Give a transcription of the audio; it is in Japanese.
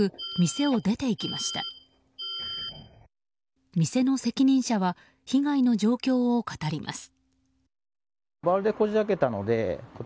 店の責任者は被害の状況を語ります。